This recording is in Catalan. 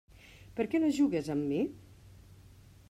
Per què no jugues amb mi?